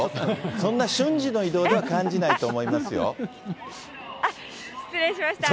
そんな瞬時の移動では感じないと思いますよ。